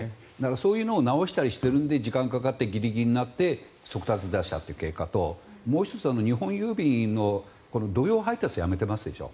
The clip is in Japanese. そういうのを直したりしているので時間がかかってギリギリになって速達で出したという経過ともう１つ、日本郵便は土曜配達をやめてますでしょ。